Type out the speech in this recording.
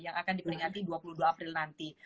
yang akan diperingati dua puluh dua april nanti